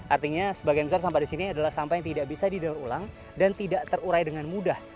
artinya sebagian besar sampah di sini adalah sampah yang tidak bisa didaur ulang dan tidak terurai dengan mudah